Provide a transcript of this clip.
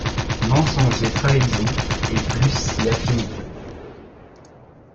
Mensonges et trahisons et plus si affinités...